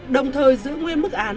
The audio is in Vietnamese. đồng thời giữ nguyên mức án